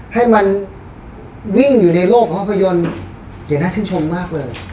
ให้มันวิ่งอยู่ในโลกภาพยนตร์อย่าน่าชื่นชมมากเลย